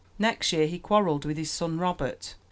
Next year he quarrelled with his son Robert.